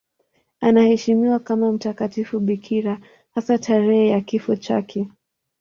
Anaheshimiwa kama mtakatifu bikira, hasa tarehe ya kifo chake.